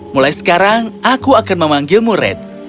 mulai sekarang aku akan memanggilmu red